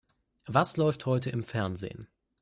Was läuft heute im Fernsehen?